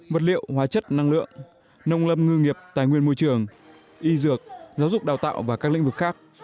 vật liệu hóa chất năng lượng nông lâm ngư nghiệp tài nguyên môi trường y dược giáo dục đào tạo và các lĩnh vực khác